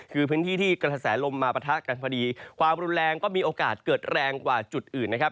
คือพื้นที่ที่กระแสลมมาปะทะกันพอดีความรุนแรงก็มีโอกาสเกิดแรงกว่าจุดอื่นนะครับ